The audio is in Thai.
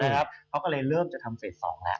เขาก็เลยเริ่มจะทำเฟส๒แล้ว